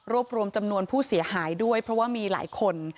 รวมรวมจำนวนผู้เสียหายด้วยเพราะว่ามีหลายคน